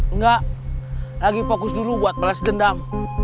enggak lagi fokus dulu buat balas dendam